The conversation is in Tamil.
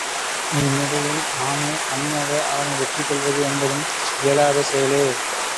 இந்நிலையில் நாமே தனியாக அவனை வெற்றி கொள்வது என்பதும் இயலாத செயலே.